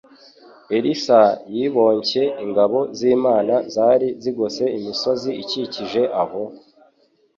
Elisa yiboncye ingabo z'Imana zari zigose imisozi ikikije aho;